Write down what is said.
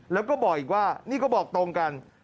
แล้วก็บอกอีกว่านี่ก็บอกตรงกัน